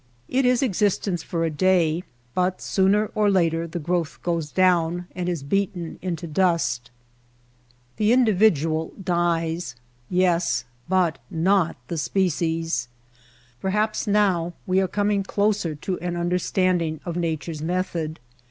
It is existence for a day, but sooner or later the growth goes down and is beaten into dust. The individual dies. Yes ; but not the species. CACTUS AND GEEASE WOOD 131 Perhaps now we are coming closer to an under standing of Nature's method.